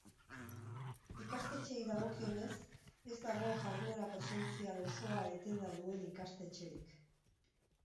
Ikastetxeei dagokienez, ez dago jarduera presentzial osoa etenda duen ikastetxerik.